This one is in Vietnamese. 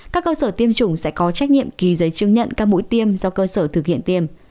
các cơ sở tiêm chủng sẽ có trách nhiệm kỳ giấy chứng nhận các mũi tiêm do cơ sở thực hiện tiêm